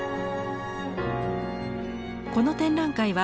この展覧会は